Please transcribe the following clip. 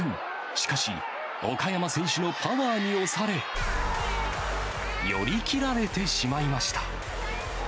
しかし、岡山選手のパワーに押され、寄り切られてしまいました。